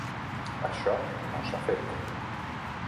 Això no s'ha fet.